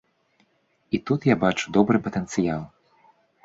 І тут я бачу добры патэнцыял.